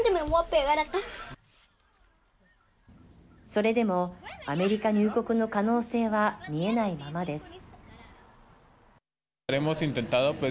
それでもアメリカ入国の可能性は見えないままです。